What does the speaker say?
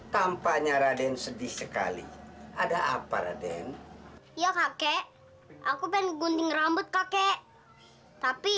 tampaknya raden sedih sekali ada apa raden ya kakek aku pengen gunting rambut kakek tapi